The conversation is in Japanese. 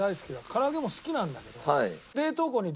から揚げも好きなんだけど。